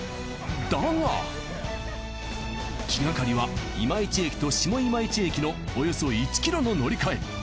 気がかりは今市駅と下今市駅のおよそ１ｋｍの乗り換え。